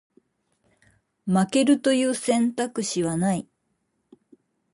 負けるという選択肢はない